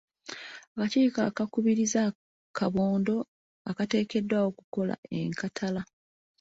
Akakiiko akakubirizi kabondo akateekeddwawo okukola ekkatala.